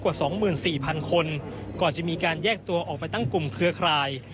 ขวาสองหมื่นสี่พันคนก่อนที่มีการแยกตัวออกไปตั้งกลุ่มเครื่องคลาย